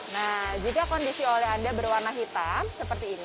nah jika kondisi oleh anda berwarna hitam seperti ini